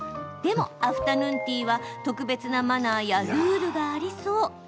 でも、アフタヌーンティーは特別なマナーやルールがありそう。